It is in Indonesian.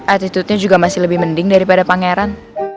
attitudenya juga masih lebih mending daripada pangeran